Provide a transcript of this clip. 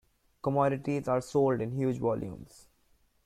Commodities are sold in huge volumes.